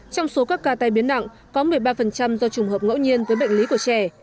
trong số các ca tai biến nặng có một mươi ba do trường hợp ngẫu nhiên với bệnh lý của trẻ